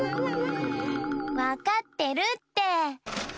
わかってるって。